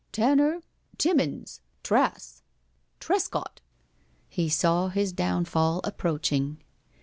"Tanner, Timmens, Trass, Trescott " He saw his downfall approaching.